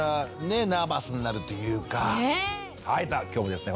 はいじゃあ今日もですね